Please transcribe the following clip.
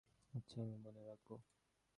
আচ্ছা, আমি মনে রাখব।